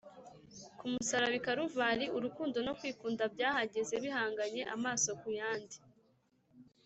Ku musaraba i Kaluvari, urukundo no kwikunda byahagaze bihanganye amaso ku yandi.